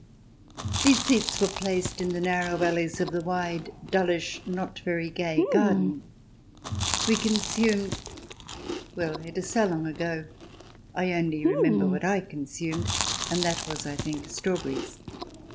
These seats were placed in the narrow alleys of the wide, dullish, not very gay garden. We consumed — well, it is so long ago I only remember what I consumed, and that was, I think, strawberries.